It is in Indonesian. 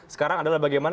sekarang adalah bagaimana